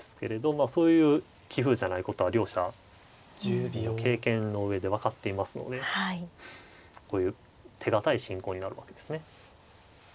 まあそういう棋風じゃないことは両者経験の上で分かっていますのでこういう手堅い進行になるわけですね。